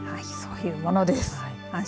そういうものですか。